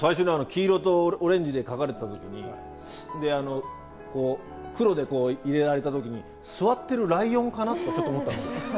黄色とオレンジで描かれていた時に、最初黒で入れられた時に座ってるライオンかなとちょっと思ったんです。